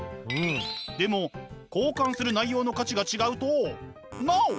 でも交換する内容の価値が違うとＮＯ！